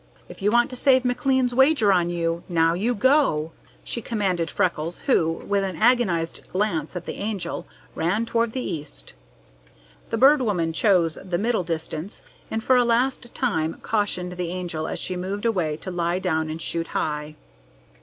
If you want to save McLean's wager on you, now you go!" she commanded Freckles, who, with an agonized glance at the Angel, ran toward the east. The Bird Woman chose the middle distance, and for a last time cautioned the Angel as she moved away to lie down and shoot high.